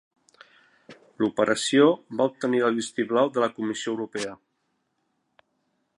L'operació va obtenir el vistiplau de la Comissió Europea.